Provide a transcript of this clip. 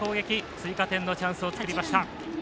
追加点のチャンスを作りました。